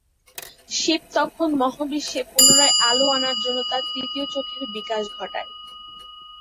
শিব তখন মহাবিশ্বে পুনরায় আলো আনার জন্য তার তৃতীয় চোখের বিকাশ ঘটায়।